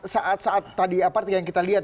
saat saat tadi apa yang kita lihat